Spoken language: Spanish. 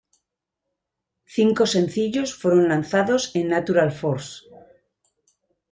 Cinco sencillos fueron lanzados en Natural Force.